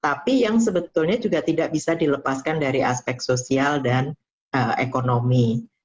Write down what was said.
tapi yang sebetulnya juga tidak bisa dilepaskan dari aspek sosial dan ekonomi